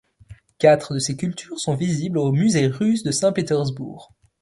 Quatre de ses sculptures sont visibles au musée Russe de Saint-Pétersbourg.